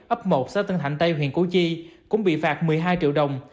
ấp một xã tân hạnh tây huyện củ chi cũng bị phạt một mươi hai triệu đồng